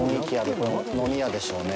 これ、飲み屋でしょうね。